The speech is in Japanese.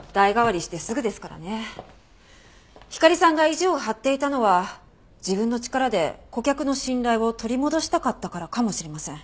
ひかりさんが意地を張っていたのは自分の力で顧客の信頼を取り戻したかったからかもしれません。